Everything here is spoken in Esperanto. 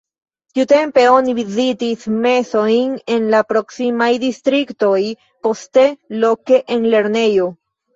Tiutempe oni vizitis mesojn en la proksimaj distriktoj, poste loke en lernejo.